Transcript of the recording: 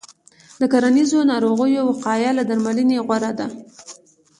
د کرنیزو ناروغیو وقایه له درملنې غوره ده.